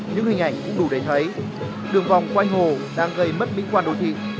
những hình ảnh cũng đủ để thấy đường vòng quanh hồ đang gây mất mỹ quan đô thị